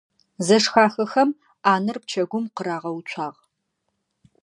Зэшхахэхэм ӏанэр пчэгум къырагъэуцуагъ.